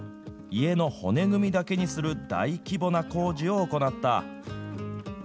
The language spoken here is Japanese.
家の骨組みだけにする大規模な工事を行った。